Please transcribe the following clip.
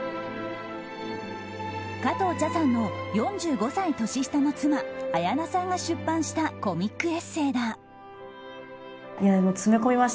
加藤茶さんの４５歳年下の妻綾菜さんが出版したコミックエッセーだ。